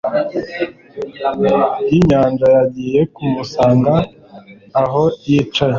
yinyanja Nagiye kumusanga aho yicaye